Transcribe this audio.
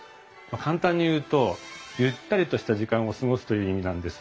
簡単に言うとゆったりとした時間を過ごすという意味なんです。